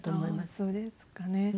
そうですかね。ね？